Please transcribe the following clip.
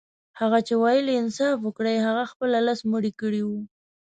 هغه چي ويل يې انصاف وکړئ هغه خپله لس مړي کړي وه.